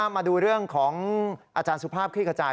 มาดูเรื่องของอาจารย์สุภาพคลี่ขจาย